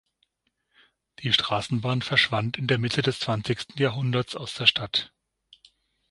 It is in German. Die Straßenbahn verschwand in der Mitte des zwanzigsten Jahrhunderts aus der Stadt.